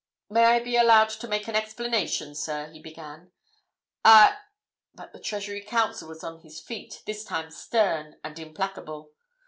"May I be allowed to make an explanation, sir?" he began. "I—" But the Treasury Counsel was on his feet, this time stern and implacable.